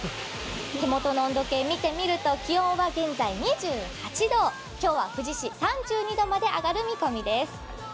手元の温度計を見てみると気温は現在２８度、今日は富士市３２度まで上がる見込みです。